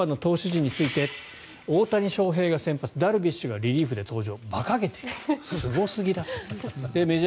侍ジャパンの投手陣について大谷翔平が先発ダルビッシュがリリーフで登場。